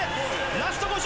ラスト５０。